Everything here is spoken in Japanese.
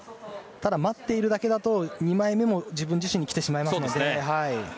ただ、待っているだけだと２枚目も自分自身にきてしまいますので。